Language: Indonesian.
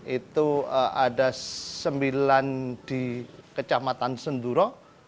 itu ada sembilan di kecamatan senduro